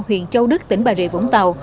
huyện châu đức tỉnh bà rịa vũng tàu